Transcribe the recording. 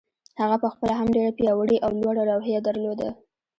هغه په خپله هم ډېره پياوړې او لوړه روحيه درلوده.